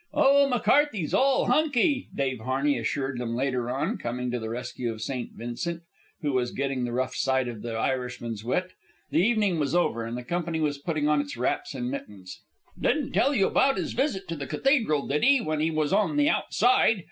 "Oh, McCarthy's all hunky," Dave Harney assured them later on, coming to the rescue of St. Vincent, who was getting the rough side of the Irishman's wit. The evening was over and the company was putting on its wraps and mittens. "Didn't tell you 'bout his visit to the cathedral, did he, when he was on the Outside?